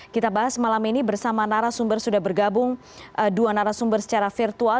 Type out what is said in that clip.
kita bahas malam ini bersama narasumber sudah bergabung dua narasumber secara virtual